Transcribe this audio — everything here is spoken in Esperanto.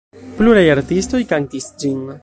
Pluraj artistoj kantis ĝin.